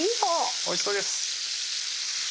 おいしそうです